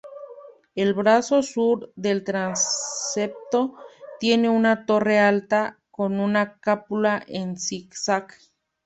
El brazo sur del transepto tiene una torre alta con una cúpula en zigzag.